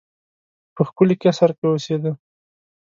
په ښکلي قصر کې اوسېدی.